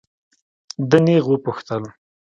ده نېغ وپوښتل.